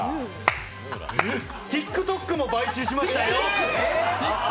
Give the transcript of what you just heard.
ＴｉｋＴｏｋも買収しましたよ！